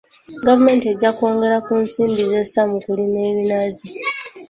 Gavumenti ejja kwongera ku nsimbi z'essa mu kulima ebinazi.